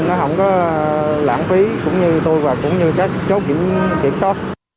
nó không có lãng phí cũng như tôi và cũng như các chốt kiểm soát